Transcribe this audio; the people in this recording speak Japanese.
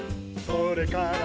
「それから」